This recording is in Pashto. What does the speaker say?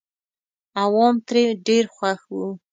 عوام ترې ډېر خوښ وو.